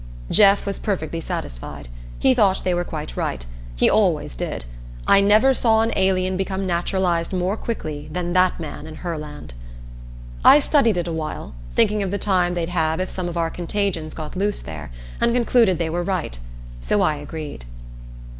Jeff was perfectly satisfied. He thought they were quite right. He always did. I never saw an alien become naturalized more quickly than that man in Herland. I studied it awhile, thinking of the time they'd have if some of our contagions got loose there, and concluded they were right. So I agreed.